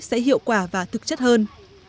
sẽ hiệu quả và thực chất hơn